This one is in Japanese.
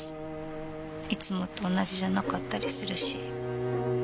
いつもと同じじゃなかったりするし。